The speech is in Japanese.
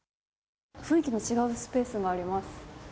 雰囲気の違うスペースがあります。